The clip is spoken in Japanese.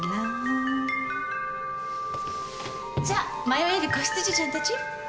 じゃあ迷える子羊ちゃんたち